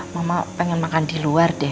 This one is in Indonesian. mama pengen makan di luar deh